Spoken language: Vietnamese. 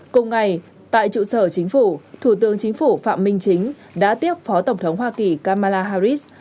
cùng ngày tại trụ sở chính phủ thủ tướng chính phủ phạm minh chính đã tiếp phó tổng thống hoa kỳ kamala harris